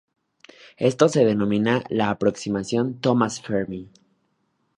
Esto se denomina la aproximación Thomas–Fermi.